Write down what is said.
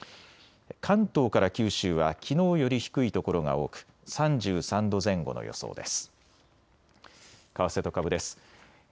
関東から九州はきのうより低い所が多く３３度前後の予想です。